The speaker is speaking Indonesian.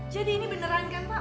jadi ini beneran kan pak